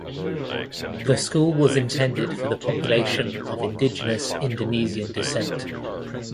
The school was intended for the population of indigenous Indonesian descent.